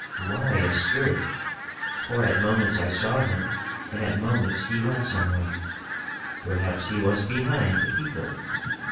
"Why a spirit?" "For at moments I saw him and at moments he went somewhere." "Perhaps he was behind the people?"